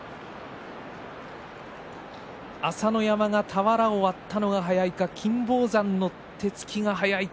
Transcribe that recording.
朝乃山が俵を割ったのが早いか金峰山の手つきが早いか。